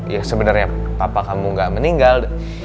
ya sebenarnya papa kamu gak meninggal